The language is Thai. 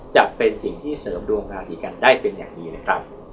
จะเป็นสิ่งที่เสริมดวงราศีกันได้เป็นอย่างดีนะครับ